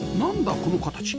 この形